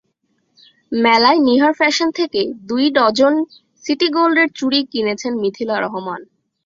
মেলায় নিহার ফ্যাশন থেকে দুই ডজন সিটি গোল্ডের চুড়ি কিনেছেন মিথিলা রহমান।